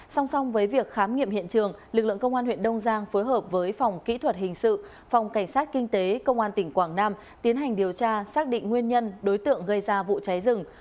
song song với việc khám nghiệm hiện trường lực lượng công an huyện đông giang phối hợp với phòng kỹ thuật hình sự phòng cảnh sát kinh tế công an tỉnh quảng nam tiến hành điều tra xác định nguyên nhân đối tượng gây ra vụ cháy rừng